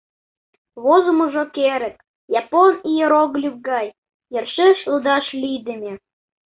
Возымыжо керек, — япон иероглиф гай, йӧршеш лудаш лийдыме».